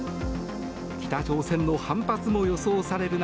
北朝鮮の反発も予想される